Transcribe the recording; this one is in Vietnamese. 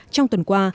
trong tuần qua